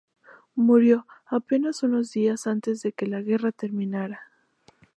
Murió apenas unos días antes de que la guerra terminara.